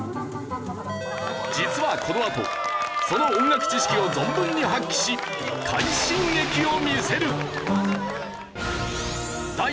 実はこのあとその音楽知識を存分に発揮し快進撃を見せる！